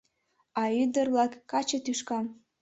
А ӱдыр-влак — каче тӱшкам.